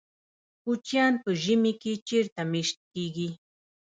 کوچیان په ژمي کې چیرته میشت کیږي؟